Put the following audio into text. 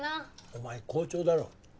お前校長だろう。